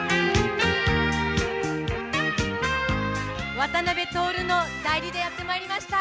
渡辺徹の代理でやってまいりました。